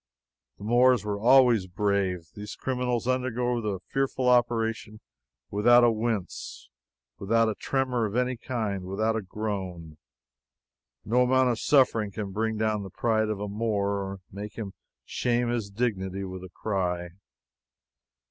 The Moors were always brave. These criminals undergo the fearful operation without a wince, without a tremor of any kind, without a groan! No amount of suffering can bring down the pride of a Moor or make him shame his dignity with a cry.